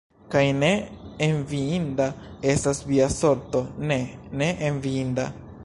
Kaj ne enviinda estas via sorto, ne, ne enviinda!